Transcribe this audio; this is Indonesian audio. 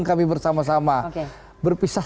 kami bersama sama berpisah